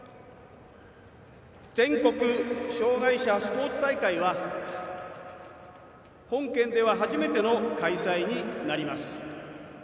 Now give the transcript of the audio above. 全国障害者スポーツ大会は本県では初めての開催になります。